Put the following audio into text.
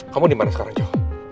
kamu dimana sekarang jo